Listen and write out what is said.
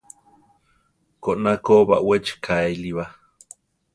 Koná ko baʼwechi kaéli ba.